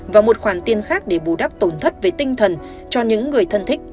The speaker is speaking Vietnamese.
và một khoản tiền khác để bù đắp tổn thất về tinh thần cho những người thân thích